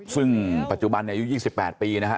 ซึ่งปัจจุบันอายุ๒๘ปีนะครับ